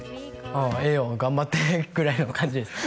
ああええよ頑張ってぐらいの感じです